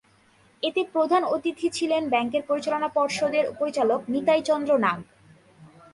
এতে প্রধান অতিথি ছিলেন ব্যাংকের পরিচালনা পর্ষদের পরিচালক নিতাই চন্দ্র নাগ।